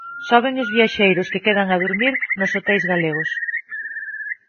Soben os viaxeiros que quedan a durmir nos hoteis galegos.